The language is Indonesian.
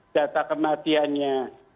data kematiannya satu tiga ratus